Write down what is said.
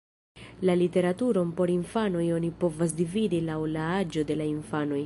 La literaturon por infanoj oni povas dividi laŭ la aĝo de la infanoj.